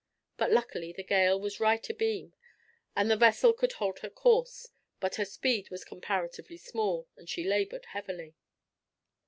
But luckily the gale was right abeam, and the vessel could hold her course; but her speed was comparatively small, and she labored heavily.